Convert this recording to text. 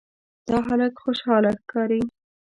دا هلک خوشاله ښکاري.